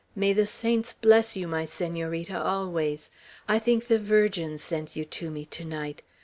May the saints bless you, my Senorita, always. I think the Virgin sent you to me to night.